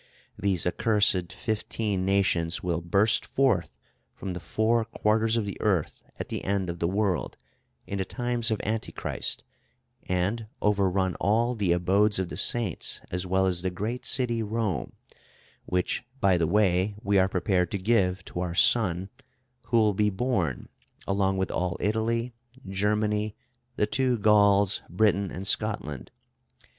These accursed fifteen nations will burst forth from the four quarters of the earth at the end of the world, in the times of Antichrist, and overrun all the abodes of the Saints as well as the great city Rome, which, by the way, we are prepared to give to our son who will be born, along with all Italy, Germany, the two Gauls, Britain and Scotland.